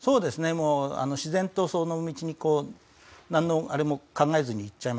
もう自然とその道にこうなんのあれも考えずにいっちゃいましたね。